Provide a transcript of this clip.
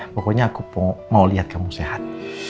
pokoknya aku mau lihat kamu sehat